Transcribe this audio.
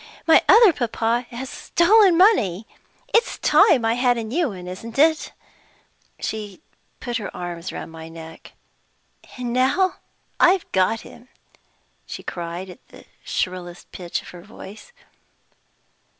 My other papa has stolen money! It's time I had a new one, isn't it?" She put her arms round my neck. "And now I've got him!" she cried, at the shrillest pitch of her voice.